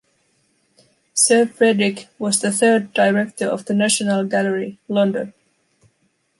Sir Frederick was the third director of the National Gallery, London.